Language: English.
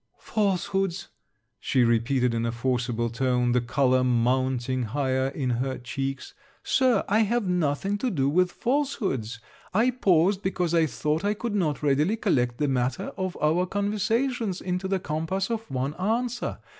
'Falsehoods!' she repeated in a forcible tone, the colour mounting higher in her cheeks, 'Sir, I have nothing to do with falsehoods. I paused, because I thought I could not readily collect the matter of our conversations into the compass of one answer.